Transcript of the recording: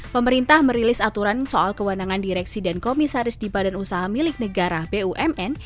pemerintah merilis aturan soal kewenangan direksi dan komisaris di badan usaha milik negara bumn